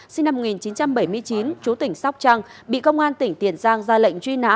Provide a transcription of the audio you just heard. sinh năm một nghìn chín trăm bảy mươi chín chú tỉnh sóc trăng bị công an tỉnh tiền giang ra lệnh truy nã